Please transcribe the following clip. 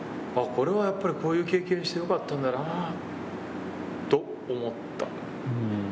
これはやっぱりこういう経験してよかったんだなぁと思った。